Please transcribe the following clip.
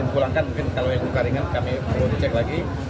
pulangkan mungkin kalau yang luka ringan kami perlu dicek lagi